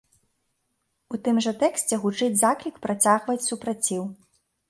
У тым жа тэксце гучыць заклік працягваць супраціў.